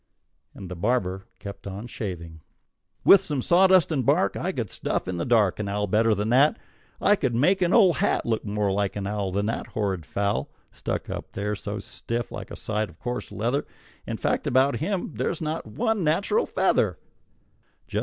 And the barber kept on shaving. "With some sawdust and bark I could stuff in the dark An owl better than that. I could make an old hat Look more like an owl Than that horrid fowl, Stuck up there so stiff like a side of coarse leather. In fact, about him there's not one natural feather."